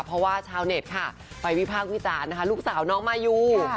เพราะว่าชาวเน็ตไปวิภาพวิจารณ์ลูกสาวน้องมายุ